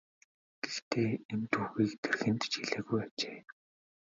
Гэхдээ энэ түүхийг тэр хэнд ч хэлээгүй ажээ.